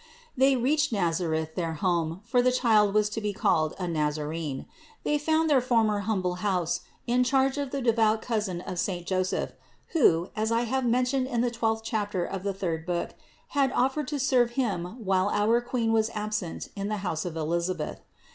707. They reached Nazareth, their home, for the Child was to be called a Nazarene. They found their former humble house in charge of the devout cousin of saint Joseph, who, as I have mentioned in the twelfth chapter of the third book, had offered to serve him while our Queen was absent in the house of Elisabeth.